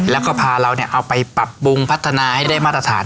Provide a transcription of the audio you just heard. แล้วก็พาเราเอาไปปรับปรุงพัฒนาให้ได้มาตรฐาน